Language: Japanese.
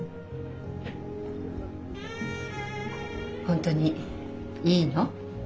本当にいいの？